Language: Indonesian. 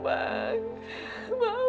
bang romi maafin rum bang